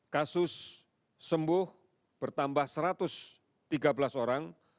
kasus sembuh bertambah satu ratus tiga belas orang